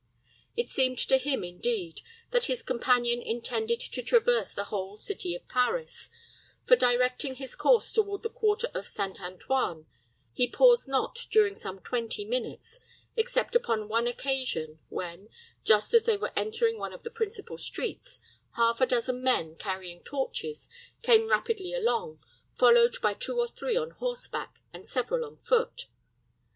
It seemed to him, indeed, that his companion intended to traverse the whole city of Paris; for, directing his course toward the quarter of St. Antoine, he paused not during some twenty minutes, except upon one occasion, when, just as they were entering one of the principal streets, half a dozen men, carrying torches, came rapidly along, followed by two or three on horseback, and several on foot.